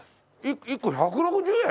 １個１６０円！？